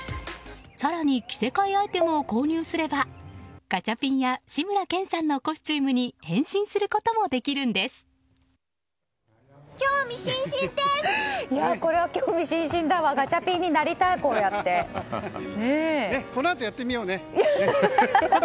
更に着せ替えアイテムを購入すればガチャピンや志村けんさんのコスチュームに興味津々です！